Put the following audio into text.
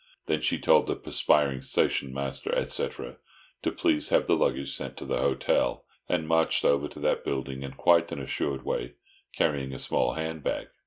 Then she told the perspiring station master, etc., to please have the luggage sent to the hotel, and marched over to that building in quite an assured way, carrying a small handbag.